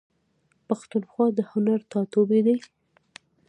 پښتونخوا د هنر ټاټوبی دی.